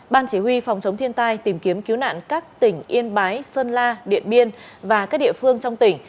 ban chỉ huy phòng chống thiên tai tìm kiếm cứu nạn các tỉnh yên bái sơn la điện biên và các địa phương trong tỉnh